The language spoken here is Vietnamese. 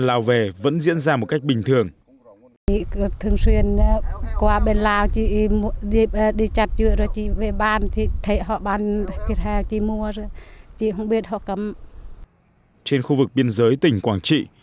lào về vẫn diễn ra một cách bình thường trên khu vực biên giới tỉnh quảng trị